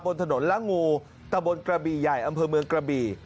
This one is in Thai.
บนถนนละงูตะบนกระบี่ใหญ่อำเภอเมืองกระบี่